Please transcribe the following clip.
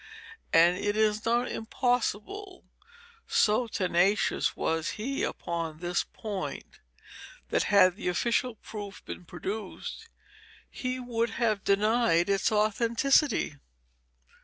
And it is not impossible, so tenacious was he upon this point, that had the official proof been produced, he would have denied its authenticity.